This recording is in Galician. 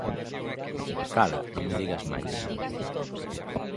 Cala!, non me digas máis